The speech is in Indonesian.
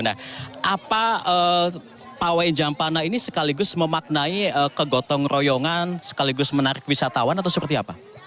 nah apa pawai jampana ini sekaligus memaknai kegotong royongan sekaligus menarik wisatawan atau seperti apa